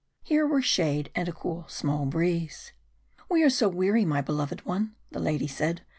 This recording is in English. Here were shade and a cool small breeze. "We are so weary, my beloved one," the lady said.